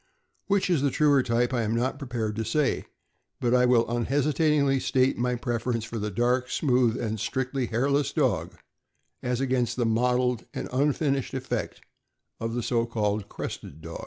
Which is the truer type I am not prepared to say, but I will unhesitat ingly state my preference for the dark, smooth, and strictly hairless dog as against the mottled and unfinished effect of the so called crested dog.